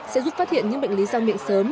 sẽ giúp phát hiện những bệnh lý răng miệng sớm